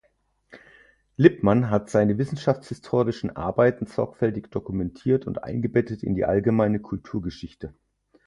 Lippmann hat seine wissenschaftshistorischen Arbeiten sorgfältig dokumentiert und eingebettet in die allgemeine Kulturgeschichte.